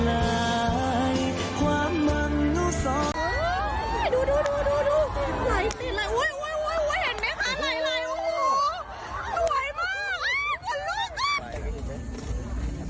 หล่อยมากอ่ะอย่าลืมกัน